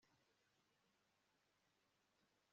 bazamurika nkimuri zimurikira isi